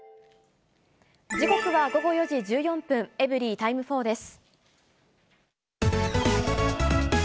時刻は午後４時１４分、エブリィタイム４です。